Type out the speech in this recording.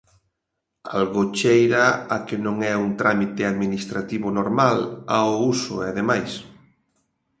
Algo cheira a que non é un trámite administrativo normal, ao uso e demais.